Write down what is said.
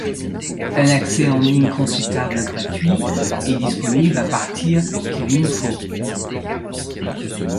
Un accès en ligne consultable gratuit est disponible à partir Kvinfo.